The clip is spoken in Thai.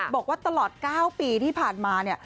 บอกว่าตลอด๙ปีที่ผ่านมาเนี่ย